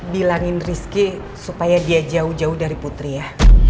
bilangin rizky supaya dia jauh jauh dari putri ya